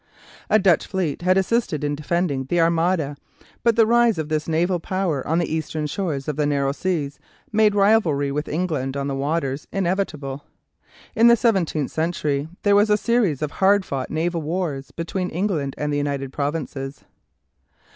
A Dutch fleet had assisted in defeating the Armada, but the rise of this naval power on the eastern shores of the narrow seas made rivalry with England on the waters inevitable. In the seventeenth century there was a series of hard fought naval wars between England and the United Provinces.